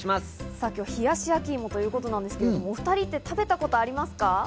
今日は冷やし焼きいもということですけど、お２人、食べたことはありますか？